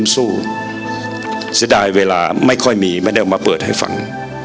สุดท้ายเวลาไม่ค่อยมีไม่ได้มาเปิดให้ฟัง